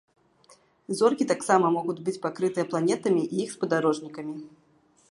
Зоркі таксама могуць быць пакрытыя планетамі і іх спадарожнікамі.